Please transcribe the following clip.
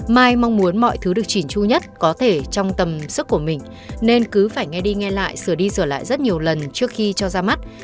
mai mong muốn mọi thứ được chỉn chu nhất có thể trong tầm sức của mình nên cứ phải nghe đi nghe lại sửa đi sửa lại rất nhiều lần trước khi cho ra mắt